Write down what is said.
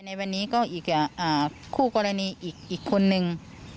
ในวันนี้ก็อีกคู่กรณีอีกคนนึง